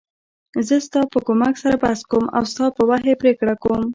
زه ستا په کومک سره بحث کوم او ستا په وحی پریکړه کوم .